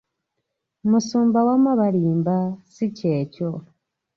Musumba wama balimba, si kyekyo.